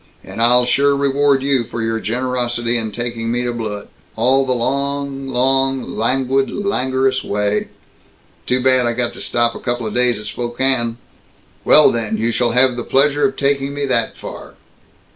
And I'll sure reward you for your generosity in taking me to Blewett, all the long, long, languid, languorous way " "Too bad I got to stop couple of days at Spokane." "Well, then you shall have the pleasure of taking me that far."